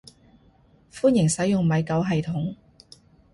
歡迎使用米狗系統